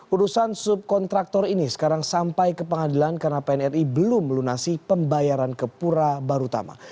urusan subkontraktor ini sekarang sampai ke pengadilan karena pnri belum melunasi pembayaran ke pura barutama